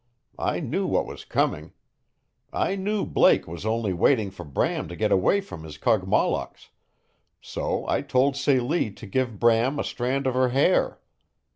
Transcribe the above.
I knew what was coming. I knew Blake was only waiting for Bram to get away from his Kogmollocks so I told Celie to give Bram a strand of her hair.